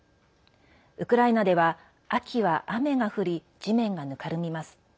ウクライナでは、秋は雨が降り地面がぬかるみます。